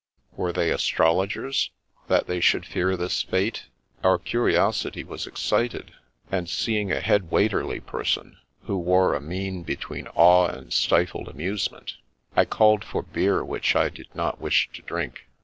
Were they astrologers, that they should fear this fate? Our curiosity was excited, and seeing a head waiterly person, who wore a mien between awe and stifled amusement, I called for beer which I did not wish to drink.